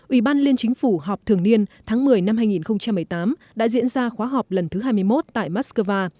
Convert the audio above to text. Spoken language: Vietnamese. ủy ban liên chính phủ họp thường niên tháng một mươi năm hai nghìn một mươi tám đã diễn ra khóa họp lần thứ hai mươi một tại moscow